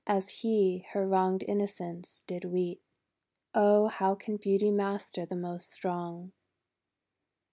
As he her wronged innocence did weet. Oh, how can beauty master the most strong!